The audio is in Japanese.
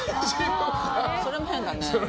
それも変だね。